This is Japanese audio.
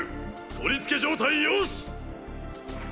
取り付け状態よし。